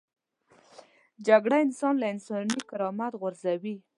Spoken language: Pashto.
جګړه انسان له انساني کرامت غورځوي